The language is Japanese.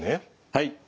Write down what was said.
はい。